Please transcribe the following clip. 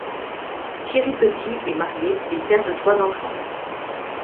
Thierry Petit est marié et père de trois enfants.